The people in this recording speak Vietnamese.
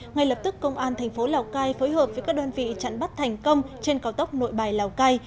ngay lập tức công an thành phố lào cai phối hợp với các đơn vị chặn bắt thành công trên cao tốc nội bài lào cai